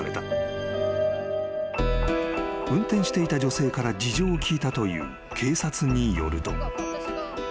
［運転していた女性から事情を聴いたという警察によると］